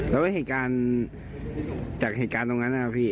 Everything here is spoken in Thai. แล้วก็เหตุการณ์จากเหตุการณ์ตรงนั้นนะครับพี่